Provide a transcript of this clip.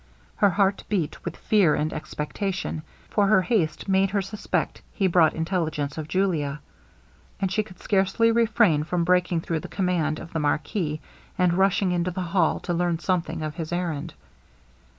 Her heart beat with fear and expectation; for his haste made her suspect he brought intelligence of Julia; and she could scarcely refrain from breaking through the command of the marquis, and rushing into the hall to learn something of his errand.